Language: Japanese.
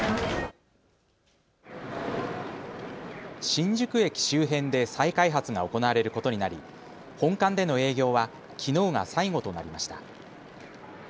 新宿駅周辺で再開発が行われることになり本館での営業はきのうが最後となりました。